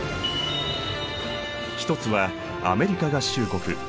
一つはアメリカ合衆国。